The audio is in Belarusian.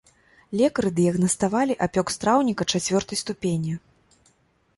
Лекары дыягнаставалі апёк страўніка чацвёртай ступені.